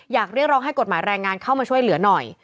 เรียกร้องให้กฎหมายแรงงานเข้ามาช่วยเหลือหน่อย